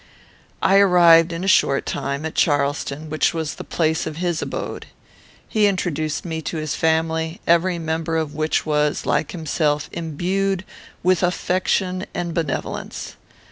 I arrived, in a short time, at Charleston, which was the place of his abode. "He introduced me to his family, every member of which was, like himself, imbued with affection and benevolence.